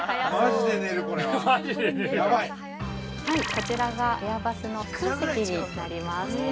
◆こちらが、エアバスの普通席になります。